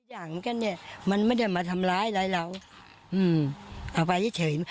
อย่างกันเนี่ยมันไม่ได้มาทำร้ายอะไรเราอืมเอาไปเฉย